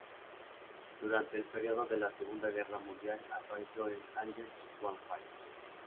Durante el período de la Segunda Guerra Mundial, apareció en "Angels One Five".